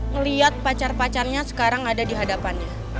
ngelihat pacar pacarnya sekarang ada di hadapannya